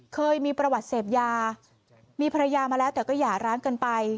เคยมีประวัติเสพยามีภรรยามาแล้วแต่ก็หย่าร้างกันไป